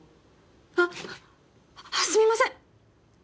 あっすみません